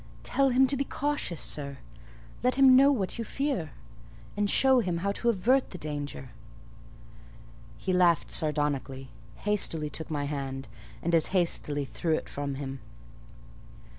"Tell him to be cautious, sir: let him know what you fear, and show him how to avert the danger." He laughed sardonically, hastily took my hand, and as hastily threw it from him.